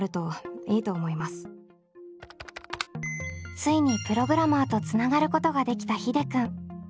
ついにプログラマーとつながることができたひでくん。